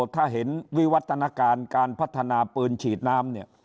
ถ้าเห็นวิวัฒนาการการพัฒนาปืนฉีดน้ำเนี่ย